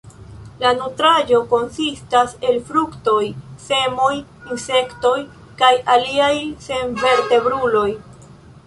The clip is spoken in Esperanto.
La nutraĵo konsistas el fruktoj, semoj, insektoj kaj aliaj senvertebruloj.